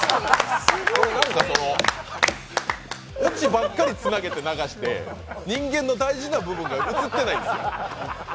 なんかオチばっかりつなげて流して、人間の大事な部分が映ってないんですよ。